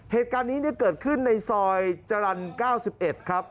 เหตุการณ์นี้เกิดขึ้นในซอยจรรย์๙๑ครับ